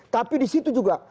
tapi di situ juga